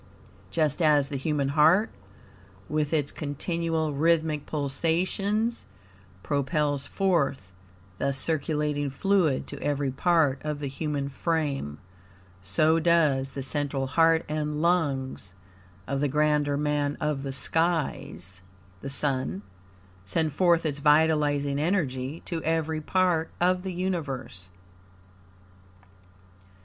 Just as the human heart, with its continual, rhythmic pulsations, propels forth the circulating fluid to every part of the human frame; so does the central heart and lungs of the Grander Man of the Skies, (the Sun) send forth its vitalizing energy to every part of the universe.